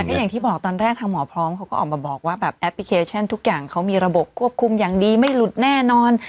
ก็อย่างที่บอกตอนแรกทางหมอพร้อมเขาก็ออกมาบอกว่าแบบแอปพลิเคชันทุกอย่างเขามีระบบควบคุมอย่างดีไม่หลุดแน่นอน